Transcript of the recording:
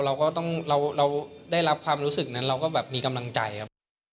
เราก็ได้รับความรู้สึกนั้นเราก็มีกำลังใจครับ